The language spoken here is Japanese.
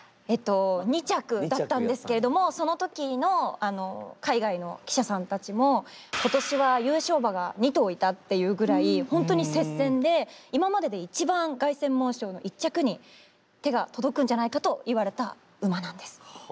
えっと２着だったんですけれどもその時の海外の記者さんたちもって言うぐらいほんとに接戦で「今までで一番凱旋門賞の１着に手が届くんじゃないか」と言われた馬なんです。